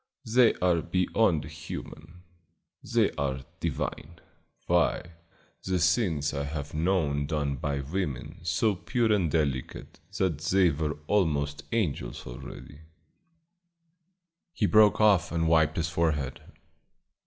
They are beyond human; they are divine. Why, the things I have known done by women so pure and delicate that they were almost angels already " He broke off and wiped his forehead.